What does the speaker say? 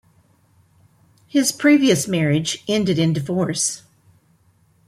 His previous marriage ended in divorce.